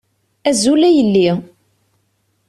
Azul a yelli.